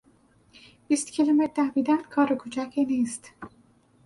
بیست کیلومتر دویدن کار کوچکی نیست.